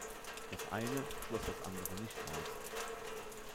Das eine schloss das andere nicht aus.